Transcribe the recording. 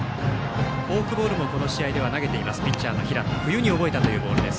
フォークボールもこの試合では投げているピッチャーの平野冬に覚えたというボールです。